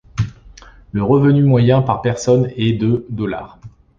Le revenu moyen par personne est de dollars.